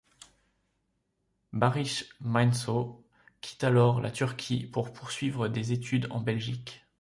Barış Manço quitte alors la Turquie pour poursuivre ses études en Belgique.